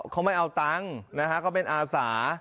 เขาไม่เอาตังค์นะฮะเขาเป็นอาสา